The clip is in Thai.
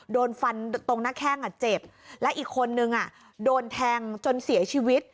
โดนฟันตรงหน้าแข้งอ่ะเจ็บและอีกคนนึงโดนแทงจนเสียชีวิต